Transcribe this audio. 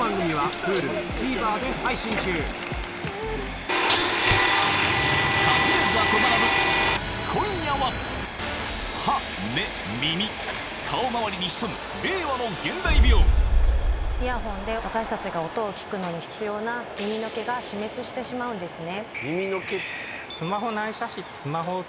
自薦他薦は問いません今夜は顔周りに潜むイヤホンで私たちが音を聞くのに必要な耳の毛が死滅してしまうんですね。